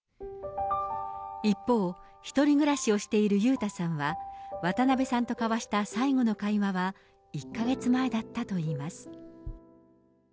一方、１人暮らしをしている裕太さんは、渡辺さんと交わした最後の会話は１か月前だったといいます。